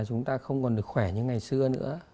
chúng ta không còn được khỏe như ngày xưa nữa